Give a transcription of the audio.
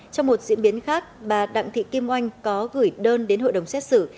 trong một diễn biến khác bà đặng thị kim oanh có gửi đơn đến hội đồng xét xử